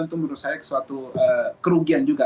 itu menurut saya suatu kerugian juga